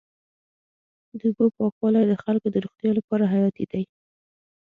د اوبو پاکوالی د خلکو د روغتیا لپاره حیاتي دی.